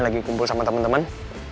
lagi kumpul sama temen temen